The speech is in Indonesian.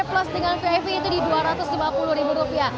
prj plus dengan vip itu di rp dua ratus lima puluh